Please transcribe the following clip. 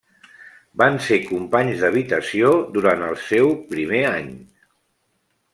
Van ser companys d'habitació durant el seu primer any.